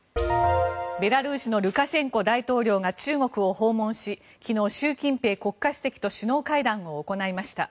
ベラルーシのルカシェンコ大統領が中国を訪問し昨日、習近平国家主席と首脳会談を行いました。